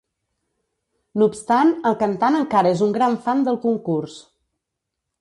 No obstant, el cantant encara és un gran fan del concurs.